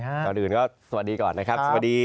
ก่อนอื่นก็สวัสดีก่อนนะครับสวัสดี